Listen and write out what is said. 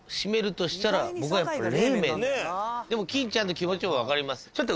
でも金ちゃんの気持ちも分かります。